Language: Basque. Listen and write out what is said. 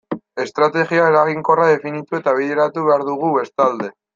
Estrategia eraginkorra definitu eta bideratu behar dugu bestalde.